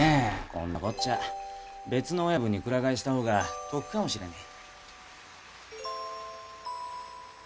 こんなこっちゃ別の親分に鞍替えした方が得かもしらねえ。